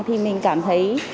thì mình cảm thấy